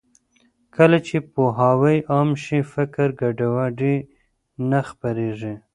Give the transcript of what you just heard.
کله چې پوهاوی عام شي، فکري ګډوډي نه خپرېږي.